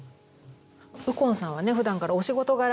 右近さんはねふだんからお仕事柄